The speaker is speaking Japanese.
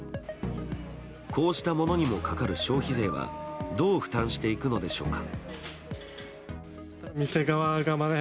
こうしたものにもかかる消費税はどう負担していくのでしょうか。